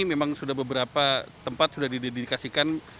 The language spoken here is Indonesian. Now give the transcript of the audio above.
memang sudah beberapa tempat sudah didedikasikan